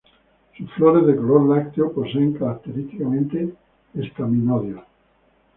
Sus flores, de color lácteo, poseen característicamente estaminodios.